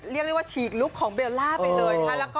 เรียกเรียกว่าฉีกลูปของเบลล่าไปเลยค่ะ